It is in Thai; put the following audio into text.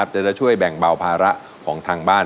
จะช่วยแบ่งเบาภาระของทางบ้าน